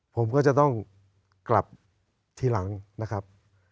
ผมก็จะต้องกลับทีหลังนะครับ